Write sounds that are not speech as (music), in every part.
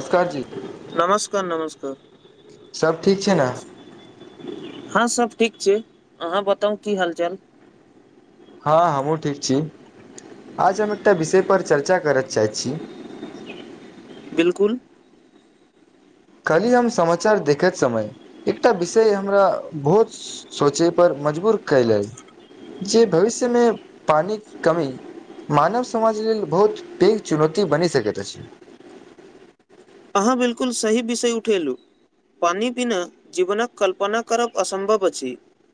नमस्कार जी नमस्कार नमस्कार सब ठीक छै नऽ हँ सब ठीक छै अहाँ बताउ की हाल चाल हँ हमहुँ ठीक छी आज हम एकटा विषय पर चर्चा करय चाहै छी बिल्कुल काल्हि हम समाचार देखैत समय एकटा विषय हमरा बहुत सोचे पर मजबूर कएलै जे भविष्यमे पानि कमी मानव समाज लेल बहुत पैघ चुनौती बनि सकैत अछि अहाँ बिल्कुल सही विषय उठेलूँ पानी बीना जीवनक कल्पना करब असम्भव अछि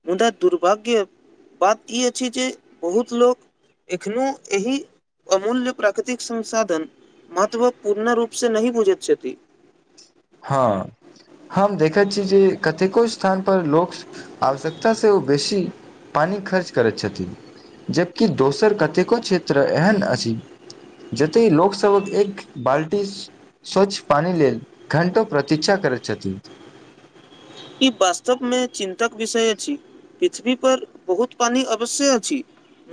मुदा दुर्भाग्य बात ई अछि जे बहुत लोक एखनो एही अमूल्य प्राकृतिक संसाधन महत्व पूर्ण रूप से नहि बुझैत क्षति हँ हम देखै छी जे कतेको स्थान पर लोक आवश्यकता से ओ बेसी पानि खर्च करैत छथिन जबकि दोसर कतेको क्षेत्र एहन अछि जतय लोकसभक एक बाल्टी स्वच्छ पानी लेल घण्टो प्रतिक्षा करैत छथि ई वास्तव मे चिन्तक विषय अछि पृथ्वी पर बहुत पानी अवश्य अछि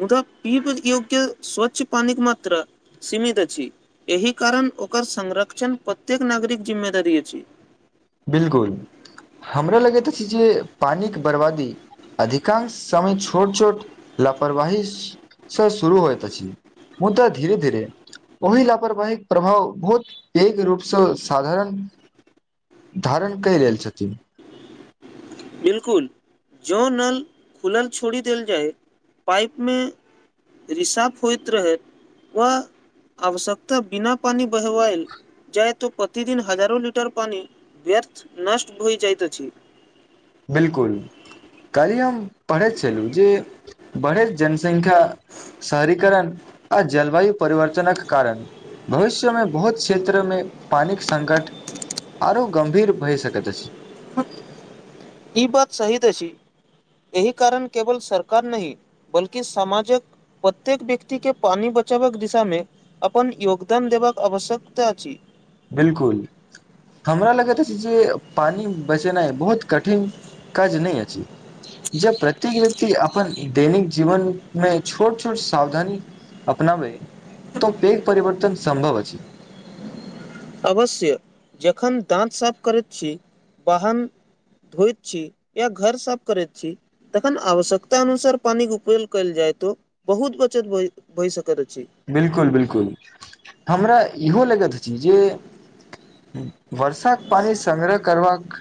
मुदा पीबे योग्य स्वच्छ पानिक मात्रा सीमित अछि एहि कारण ओकर संरक्षण प्रत्येक नागरिक जिम्मेदारी अछि बिल्कूल हमरा लगैत अछि जे पानिक बर्बादी अधिकांश समय छोट छोट लापरवाही से शुरू होएत अछि मुदा धीेरे धीरे ओहि लापरवहिीक प्रभाव बहुत पेघ रूपसँ साधारण धारण क लेल छथिन बिल्कुल जो नल खुलल छोड़ी देल जाय पाइप मे रिसफ होइत रहैत व आवश्यकता बिना पानि बहवएल जहतु प्रतिदिन हजारो लिटर पानि व्यर्थ नष्ट हो जाइत अछि बिल्कुल काल्हि हम पढ़ैत छलहुँ जे बढ़ैत जनसंख्या शहरीीकरण आ जलवायु परिवर्तनक कारण भविष्यमे बहुत क्षेत्रमे पानिके संकट आरो गम्भीर भए सकैत अछि ईी बात सही असी एहि कारण केवल सरकार नहि बल्कि सामाजक प्रत्येक व्यक्ति के पानी बचावै के दिशा में अपन योगदान देबाक आवश्यकता अछि बिल्कुल हमरा लगैत अछि जे पानी बचेनाए बहुत कठिन काज नहि अछि जब प्रत्येक व्यक्ति अपन दैनिक जीवन मे छोट छोट सावधानी अपनाव त पेघ परिवर्तन संभव ह अछि अवश्य जखन दाँत साफ करैत छी बहन धोइत छी या घर साफ करैत छी तखन आवश्यकता अनुसार पानिक के उपयोग कयल जाय तो बहुत बचत भ भए सकैत अछि बिल्कुल बिल्कुल हमरा इहो लगैत अछि जे वर्षाक पान संग्रह करवाक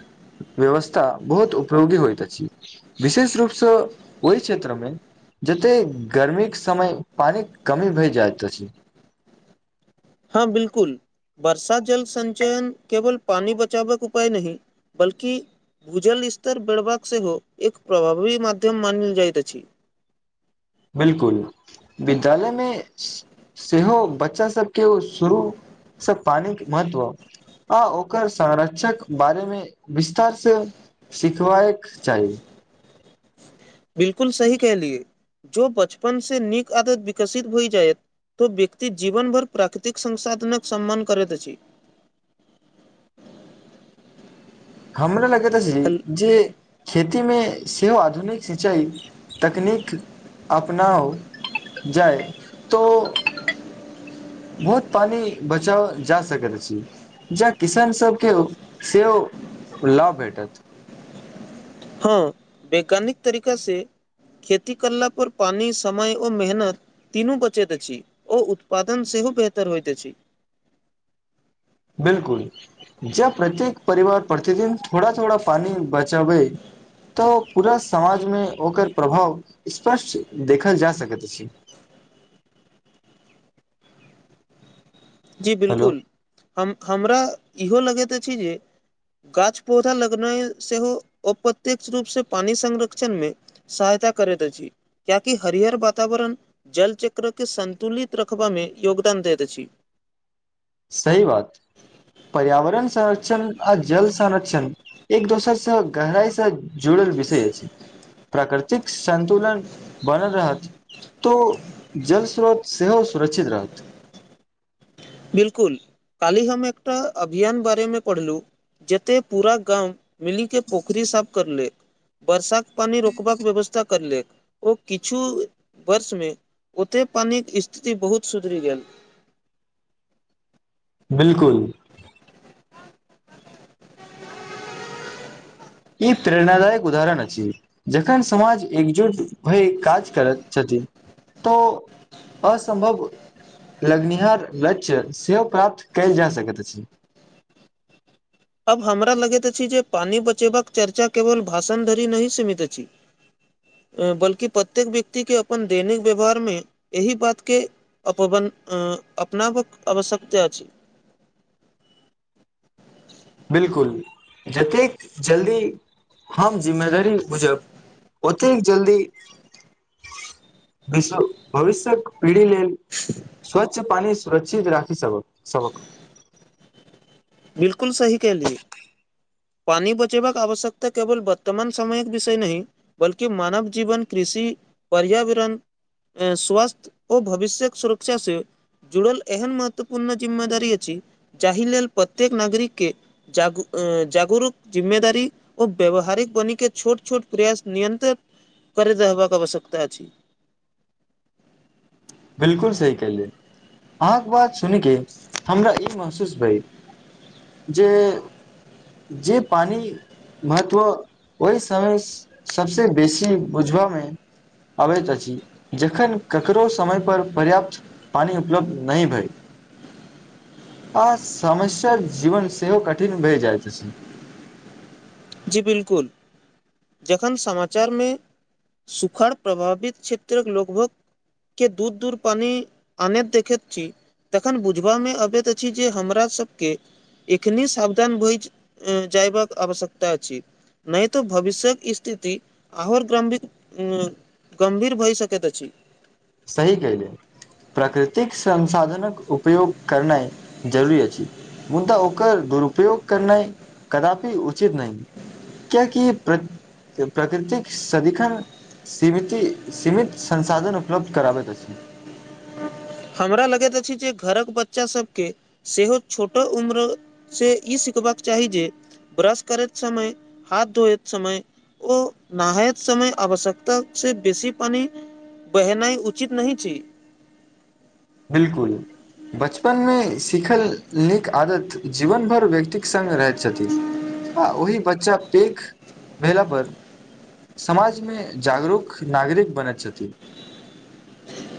व्यवस्था बहुत उपयोगी होइत अछि विशेष रूपसँ ओहि क्षेत्रमे जते गर्मी के समय पानि कमी भए जाय छै हँ बिलकुल वर्षा जल संचयन केवल पानि बचावक उपाय नहि बल्कि भूजल इस्तर बड़बाक सेहो एक प्रभावी माध्यम मानल जाइत अछि बिल्कुल विद्यालयमे सेहो बच्चा सबके शुरूसँ पानिके महत्व आ ओकर संरक्षक बारे मे विस्तार से सिखबायक चाही बिलकुल सही कहलियए जो बचपन से नीक आदत विकसित होइ जायत तो व्यक्ति जीवनभर प्राकृतिक संसाधनक सम्मान करैत अछि हमरा लगैत अछि हल- जे खेती में सेहो आधुनिक सिंचाई तकनीक अपनाउ जाय तो बहुत पानी बचाव जा सकैत अछि जा किसान सबके सेहो लाभ भेटत हँ वैज्ञानिक तरीका से खेती करला पर पानि समय ओ मेहनत तीनू बचैत अछि ओ उत्पादन सेहो बेहतर होइत अछि बिल्कुल जब प्रत्येक परिवार प्रतिदिन थोड़ा थोड़ा पानी बचाबे तऽ पूरा समाजमे ओकर प्रभाव स्पष्ट देखल जा सकैत अछि जी हेलो बिलकुल हम हमरा इहो लगैत अछि जे गाछ पौधा लगनाइ सेहो अप्रत्यक्ष रूप से पानी संरक्षण में सहायता करैैत अछि कियाकि हरिहर वातावरण जलचक्रके सन्तुलित रखबामे योगदान दैत अछि सही बात पर्यावरण संरक्षण आ जल संरक्षण एक दोसर स गहराई स जोड़र विषय अछि प्राकृतिक संतुलन बनल रहत तो जल स्रोत सेहो सुरक्षित रहत बिल्कुल काल्हि हम एकटा अभियान बारेमे पढ़लहु जतेक पूरा गाम मिलीके पोखरि साफ करलैक वर्षाक पानी रोकबाक व्यवस्था करलेक ओ किछु वर्ष मे ओते पैनिक स्थिति बहुत सुधरि गेल बिलकुल (inaudible) ई प्रेरणादायक उदाहरण आइछ जखन समाज एकजुट भइ काज करैत छथि तऽ असम्भव लगनिहार लक्ष्य सेहो प्राप्त कयल जा सकै अछि अब हमरा लगैत अछि जे पइन बचेबाक चर्चा केवल भाषण धरि नहि सीमित अछि (inaudible) अ बल्कि प्रत्येक व्यक्तिके अपन दैनिक व्यवहारमे एहि बातके अपन अ अपनाबक आवश्यकता अछि बिलकुल जतेक जल्दी हम जिम्मेदारी बुझब ओतेक जल्दी विश भविष्य्यक पीढ़ी लेल स्वच्छ पानि सुरक्षित राखि सबक सबक बिलकल सही कहलिय पानी बचेबाक आवश्यकता केवल बर्तमान समयक विषय नहि बल्कि मानव जीवन कृषि पर्यावरण स्वास्थ्य ओ भविष्य्यक सुरक्षा से जुड़ल एहन महत्वपूर्ण जिम्मेदार अछि जाहि लेल प्रत्येक नागरिक के जाग जागरूक जिम्मेदारी ओ व्यावहारिक बनी के छोट छोट प्रयास नियंत्रित करैत रहबाक आवश्यकता अछि बिलकुल सही केलियै अहाँके बात सुनिक हमरा ई महसूस भेल जे जे पानि महत्व ओहि समय सबस बेसी बुझबा में आबैत अछि जखन ककरो समय पर पर्याप्त पानी उपलब्ध नय भय आ समस्या जीवन सेहो कठिन भय जाइत अछि जी बिलकुल जखन समाचार में सुखाड़ प्रभावित क्षेत्रक लगभग के दूर दूर पानी आने देखैत छी तखन बुझबा में अबैत अछि जे हमरासबके एखनी सावधान भइ जइबाक आवश्यकता अछि नहि तऽ भविष्यत स्थिति आर ग्रामी उ गम्भीर भइ सकैत अछि सही कलिय प्राकृतिक संन्साधनक उपयोग करनाइ जरूरी अछि मुदा ओकर दुरूपयोग करनाइ कदापि उचित नहि कियाकि प्रक प्रकृतिक सदिखन सीमिती सीमित संसाधन उपलब्ध कराबै अछि हमरा लगैत अछि जे घरक बच्चा सबके सेहो छोट उम्र से ई सिखबाक चाही जे ब्रश करैत समय हाथ धोयत समय ओ नहायत समय आवश्यकता से बेसी पानि बहनाइ उचित नहि छी बिलकुल बचपन में सिखल नीक आदत जीवनभर व्यक्तिक सङ्ग रहैत छथिन आ ओहि बच्चा पेक भेला पर समाजमे जागरूक नागरिक बनैत छथिन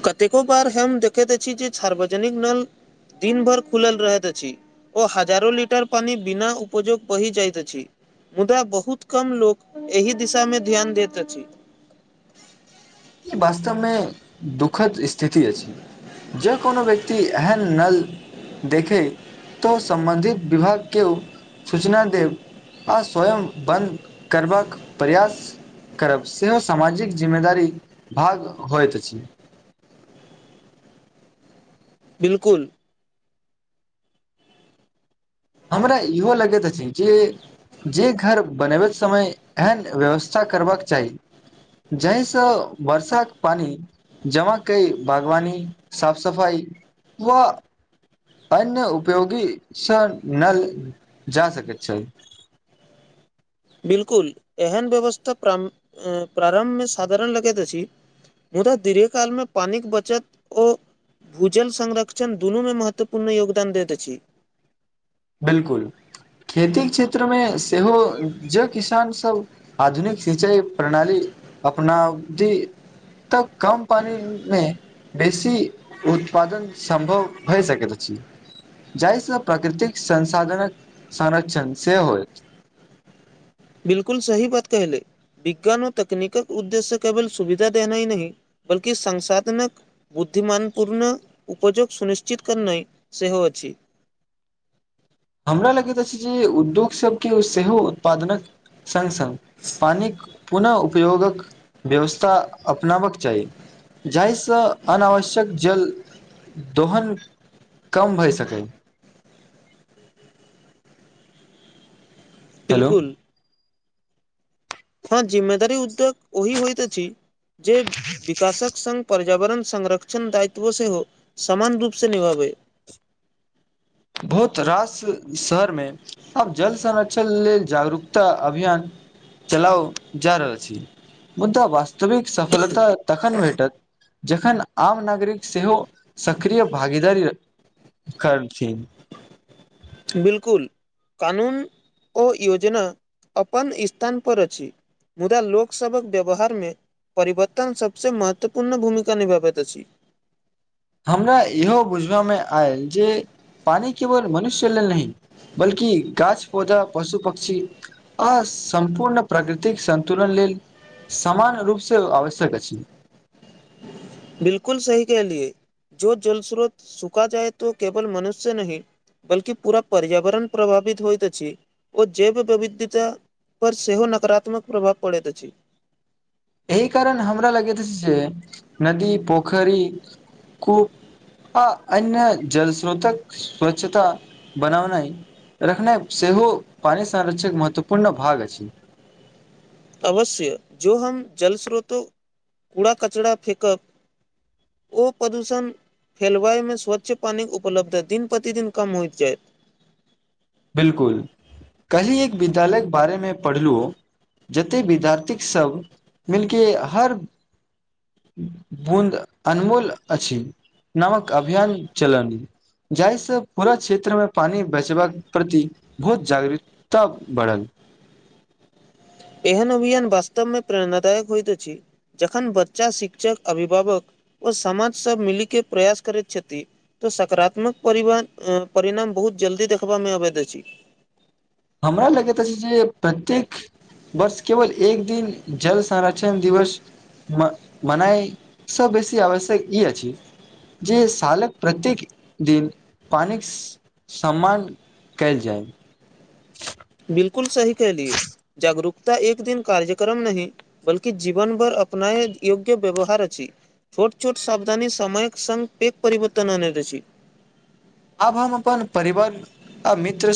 कतेको बार हम देखैत अछि जे सार्वजनिक नल दिन भरि खुलल रहैत अछि ओ हजार लिटर पानि बिना उपजो बहि जाइतइत अछि मुदा बहुत कम लोको एहि दिशा मे ध्यान दैत अछि वास्तवमे दुःखद स्थिति अछि जे कोनो व्यक्ति एहन नल देखे तऽ सम्बन्धित विभाग केओ सूचना देब आ स्वयं बन्द करबाक प्रयास करब सेहो सामाजिक जिम्मेदारी भाग होइत अछि बिल्कुल हमरा इहो लगैत अछि जे जे घर बनबैत समय एहन व्यवस्था करबाक चाही जाहिसँ वर्षाक पानि जमा कई बागवानी साफ सफाइ व अन्य उपयोगी स न जा सक छै बिल्कुल एहन व्यवस्था प्रारम्भमे साधारण लगैत अछि मुदा दीर्घकालमे पानिके बचत ओ भूजल संरक्षण दुनूमे महत्वपूर्ण योगदान दैत अछि बिलकुल खेती क्षेत्र मे सेहो जे किसान सब आधुनिक शिचाई‌ प्रणाली अपनाबती तऽ कम पानी मे बेसी उत्पादन सम्भव भए सकैत अछि जाहिसँ प्रकृतिक संसाधनक संरक्षण से होएत बिलकुल सही बात कहि ले विज्ञान ओ तकनीकक उद्देश्य केवल सुविधा देनाय नहिह बल्कि संसाधनकक बुद्धिमान पूर्ण उयजग सुनिश्चित करनै सेहो अछि हमरा लगैत अछि जे उद्योग सभके सेहो उत्पादनक संग संग पानिक पुन उपयोगक व्यवस्था अपनाबक चाही जाहिसँ अनावश्यक जल दोहन कम भए सकै हेलो बिल्कुल हँ जिम्मेदारी उद्योग ओहि होइत अछि जे विकासक संग पर्यावरण संरक्षण दायित्व सेहो समामान रूपसँ निभाबै बहुत रास शहरमे आब जल संरक्षण लेल जागरूकता अभियान चलाउ जाार अ छी ओतऽ वास्तविक सफलता तखन भेटत जखन आम नागरिक सेहो सक्रिय भागीदारी करथिन बिलकुल कानून ओ योजना अपन स्थानपर अछि मुदा लोकसभक व्यवहारमे परिवर्तन सबसे महत्वपूर्ण भूमिका निभाबैत अछि हमरा इहो बुझबामे आयल जे पानि केवल मनुष्य लेल नहिह बल्कि गाछ पौधा पशु पक्षी आ सम्पूर्ण प्रकृतिक संन्तुलन लेल समान रूपसँ आवश्यक अछि बिलकुल सही कहलिए जो जल स्रोत सुखा जाय त केवल मनुष्य ननय बल्कि पूरा पर्यावरण प्रभावित होइत अछि ओ जैव विविधता पर सेहो नकारात्मक प्रभाव पड़ैत अछि एहि कारण हमरा लगैत अछि जे नदी पोखरी कू आ अन्य जलस्रोतक स्वच्छता बनावनाइ रखनाइ सेहो पानि संरक्षक महत्वपूर्ण भाग अछि अवश्य जो हम जलस्रोतो कूड़ा कचरा फेकब ओ प्रदूषण हेलवाइ में स्वच्छ पानिक उपलब्धता दिन प्रतिदिन कम होइत जायत बिलकुल कलहि एक विद्यालयक बारेमें पढ़लू जेते विद्यार्थी सब मिलके हर बूँद अनमोल अछि नामक अभियान चलल जाहिसँ पूरा क्षेत्रमें पानि बचबाक प्रति बहुत जागरूकता बढ़ल एहन अभियान वास्तव में प्रेरणादायक होयइत अछि जखन बच्चा शिक्षक अभिभावक ओ समाज सब मिली के प्रयास करैत छथि तो सकारात्मकिव परिणाम बहुत जल्दी देखबामे अबैत अछि हमरा लगैत अछि जे प्रत्येक बस केवल एक दिन जल संरक्षण दिवस म मनाय सँ बेसी आवश्यक ई अछि जे सालक प्रत्येक दिन पानिक सम्मान कयल जाय बिलकुल सही कहलिए जागरूकता एक दिन कार्यक्रम नहि बल्कि जीवन भर अपनाय योग्य व्यवहार अछि छोट छोट साावधानी सामयक संङघ पेघ परिवर्तन आनय अछी आब हम अपन परिवार आ मित्र